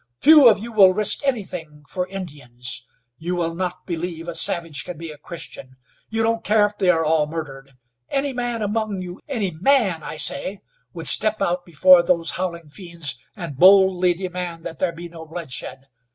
Few of you will risk anything for Indians. You will not believe a savage can be a Christian. You don't care if they are all murdered. Any man among you any man, I say would step out before those howling fiends and boldly demand that there be no bloodshed.